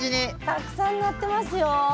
たくさんなってますよ。